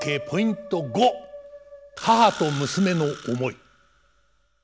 ポイント５母と娘の思い。